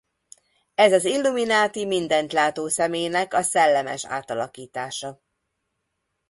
Ez az Illuminati mindent látó szemének a szellemes átalakítása.